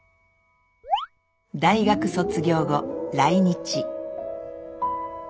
大学卒業後来日。